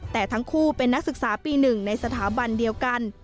แต่ทั้งคู่เป็นนักศึกษาปี๑ในสถาบันเดียวกัน